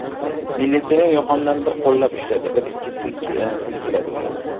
Militsioner yoqamdan bir qo‘llab ushladi. Bir-ikki silkiladi.